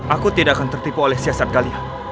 aku tidak akan tertipu oleh siasat kalian